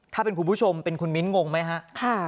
ถ้าเป็นผู้ชมคุณมิ้นตร์งงไหมฮะ